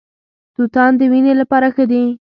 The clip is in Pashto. توتان د وینې لپاره ښه دي.